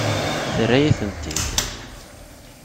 Terra-yi-tent-id.